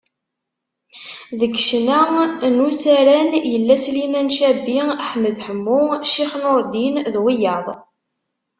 Deg ccna n usaran, yella Sliman Cabbi, Ḥmed Ḥemmu, Ccix Nurdin, d wiyaḍ.